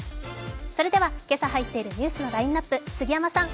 それでは今朝入っているニュースのラインナップ杉山さん